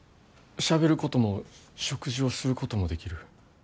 しゃべることも食事をすることもできる。